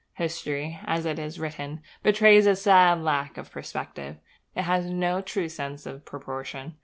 History, as it is written, betrays a sad lack of perspective. It has no true sense of proportion.